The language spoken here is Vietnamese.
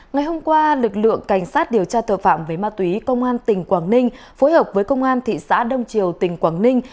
ngày hôm qua lực lượng cảnh sát điều tra tội phạm về ma túy công an tỉnh quảng ninh phối hợp với công an thị xã đông triều tỉnh quảng ninh